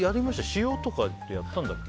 塩とかってやったんだっけ。